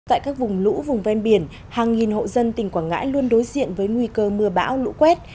tại các vùng lũ vùng ven biển hàng nghìn hộ dân tỉnh quảng ngãi luôn đối diện với nguy cơ mưa bão lũ quét